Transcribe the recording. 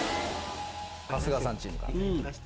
春日さんチームから。